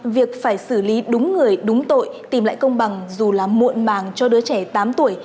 việc phải xử lý đúng người đúng tội tìm lại công bằng dù là muộn màng cho đứa trẻ tám tuổi